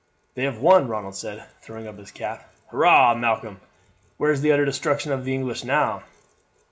"They have won!" Ronald said, throwing up his cap. "Hurrah, Malcolm! Where is the utter destruction of the English now?